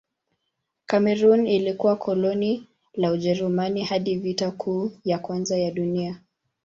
Kamerun ilikuwa koloni la Ujerumani hadi Vita Kuu ya Kwanza ya Dunia.